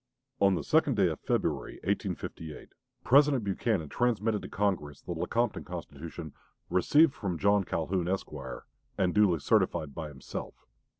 On the second day of February, 1858, President Buchanan transmitted to Congress the Lecompton Constitution, "received from J. Calhoun, Esq.," and "duly certified by himself."